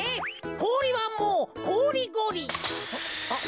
こおりはもうこぉりごり。